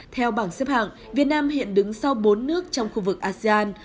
theo bảng xếp hạng việt nam hiện đứng sau bốn nước trong khu vực asean